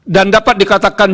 dan dapat dikatakan